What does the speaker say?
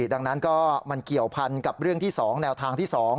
ดังนั้นก็มันเกี่ยวพันกับเรื่องที่๒แนวทางที่๒